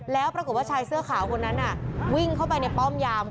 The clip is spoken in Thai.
แล้วปรากฏว่าชายเสื้อขาวคนนั้นวิ่งเข้าไปในป้อมยาม